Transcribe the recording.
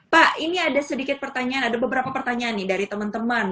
pak ini ada sedikit pertanyaan ada beberapa pertanyaan nih dari teman teman